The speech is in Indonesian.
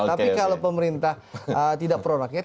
tapi kalau pemerintah tidak pro rakyat